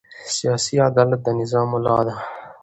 سیاسي عدالت د نظام ملا ده